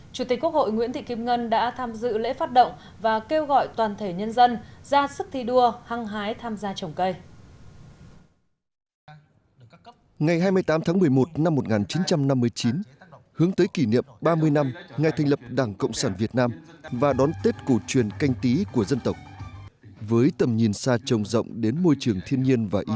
chủ tịch quốc hội nguyễn thị kim ngân đã tham dự lễ phát động và kêu gọi toàn thể nhân dân ra sức thi đua hăng hái tham gia trồng cây